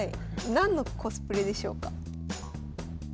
何のコスプレでしょうか？